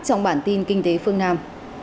trong bản tin kinh tế phương nam